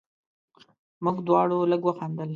موږ دواړو لږ وخندل.